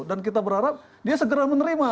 dan kita berharap dia segera menerima